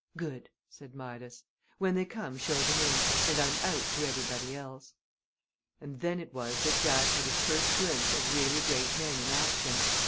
"Good!" said Midas. "When they come show them in, and I'm out to everybody else." And then it was that Jack had his first glimpse of really great men in action.